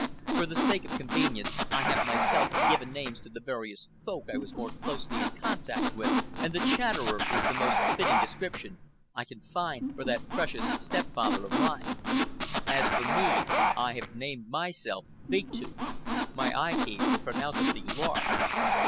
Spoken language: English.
For the sake of convenience I have myself given names to the various Folk I was more closely in contact with, and the "Chatterer" is the most fitting description I can find for that precious stepfather of mine. As for me, I have named myself "Big Tooth." My eye teeth were pronouncedly large.)